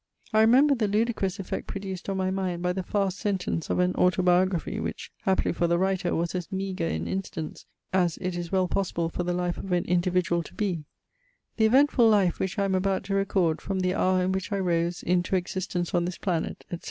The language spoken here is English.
I remember the ludicrous effect produced on my mind by the fast sentence of an auto biography, which, happily for the writer, was as meagre in incidents as it is well possible for the life of an individual to be "The eventful life which I am about to record, from the hour in which I rose into existence on this planet, etc."